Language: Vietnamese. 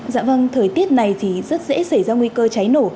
dạ vâng thời tiết này thì rất dễ xảy ra nguy cơ cháy nổ